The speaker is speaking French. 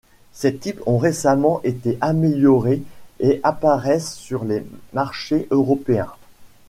Ces types ont récemment été améliorés, et apparaissent sur les marchés européens.